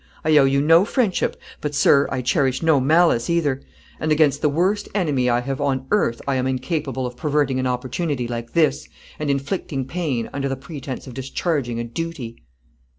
I owe you no friendship, but, sir, I cherish no malice, either; and against the worst enemy I have on earth I am incapable of perverting an opportunity like this, and inflicting pain, under the pretence of discharging a duty."